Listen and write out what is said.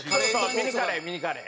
ミニカレーミニカレー。